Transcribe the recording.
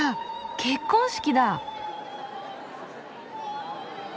結婚式だ！